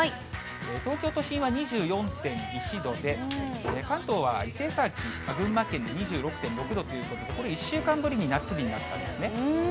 東京都心は２４．１度で、関東は伊勢崎、群馬県２６．６度ということで、これ、１週間ぶりに夏日になったんですね。